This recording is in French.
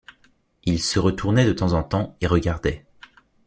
Il se retournait de temps en temps et regardait.